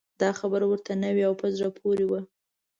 دا خبره ورته نوې او په زړه پورې وه.